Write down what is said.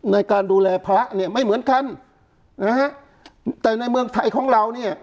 ในการดูแลพระเนี่ยไม่เหมือนกันนะฮะแต่ในเมืองไทยของเราเนี่ย